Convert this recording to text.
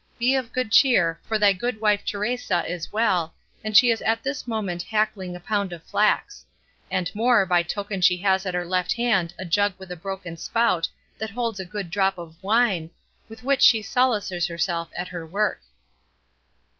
Be of good cheer, for thy good wife Teresa is well, and she is at this moment hackling a pound of flax; and more by token she has at her left hand a jug with a broken spout that holds a good drop of wine, with which she solaces herself at her work."